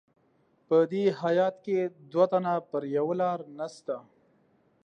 په دې هیات کې دوه تنه پر یوه لار نسته.